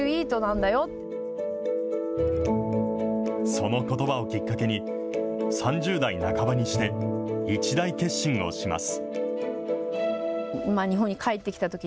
そのことばをきっかけに、３０代半ばにして、一大決心をします。